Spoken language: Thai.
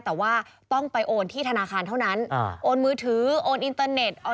แต่ว่าต้องไปโอนที่ธนาคารเท่านั้นโอนมือถือโอนอินเตอร์เน็ต